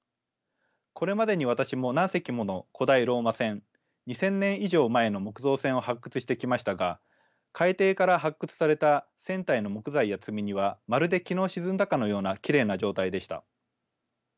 これまでに私も何隻もの古代ローマ船２，０００年以上前の木造船を発掘してきましたが海底から発掘された船体の木材や積み荷はまるで昨日沈んだかのようなきれいな状態でした。